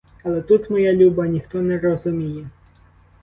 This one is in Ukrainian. Але тут, моя люба, ніхто не розуміє.